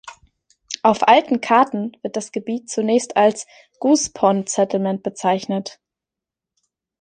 Auf alten Karten wird das Gebiet zunächst als "Goose Pond Settlement" bezeichnet.